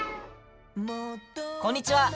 こんにちは！